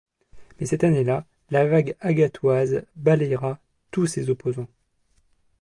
Mais cette année-là, la vague agathoise balaiera tous ses opposants!